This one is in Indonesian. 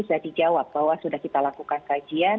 sudah dijawab bahwa sudah kita lakukan kajian